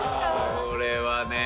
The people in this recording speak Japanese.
これはね